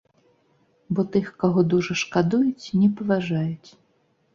Бо тых, каго дужа шкадуюць, не паважаюць.